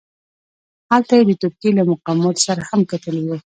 هلته یې د ترکیې له مقاماتو سره هم کتلي وه.